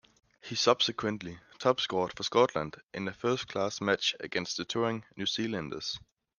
He subsequently top-scored for Scotland in a first-class match against the touring New Zealanders.